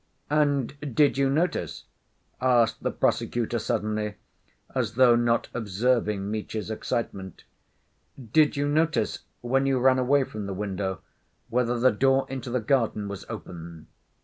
"And did you notice," asked the prosecutor suddenly, as though not observing Mitya's excitement, "did you notice when you ran away from the window, whether the door into the garden was open?"